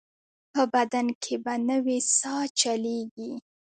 په بدن کې به نوې ساه چلېږي.